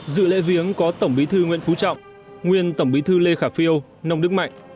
dự lễ viếng có tổng bí thư nguyễn phú trọng nguyên tổng bí thư lê khả phiêu nông đức mạnh